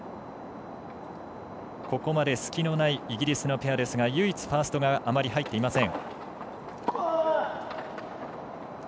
ここまで隙のないイギリスのペアですが唯一、ファーストがあまり入っていません。